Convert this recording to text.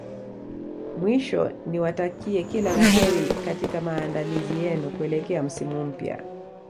Mwisho niwatakie kila la kheri katika maandalizi yenu kuelekea msimu mpya